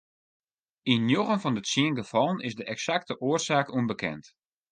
Yn njoggen fan de tsien gefallen is de eksakte oarsaak ûnbekend.